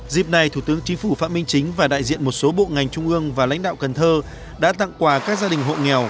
dịp này thủ tướng chính phủ phạm minh chính và đại diện một số bộ ngành trung ương và lãnh đạo cần thơ đã tặng quà các gia đình hộ nghèo